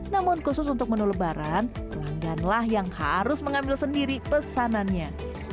namun khusus untuk menu lebaran pelangganlah yang harus mengambil sendiri pesanannya